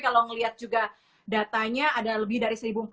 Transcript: lihat juga datanya ada lebih dari